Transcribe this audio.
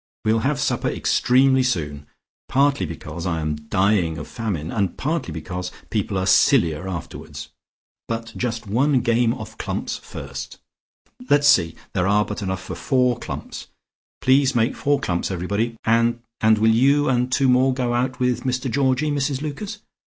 We'll have supper extremely soon, partly because I am dying of famine, and partly because people are sillier afterwards. But just one game of clumps first. Let's see; there are but enough for four clumps. Please make four clumps everybody, and and will you and two more go out with Mr Georgie, Mrs Lucas?